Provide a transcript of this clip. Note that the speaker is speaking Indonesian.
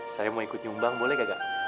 saya mau ikut nyumbang boleh gak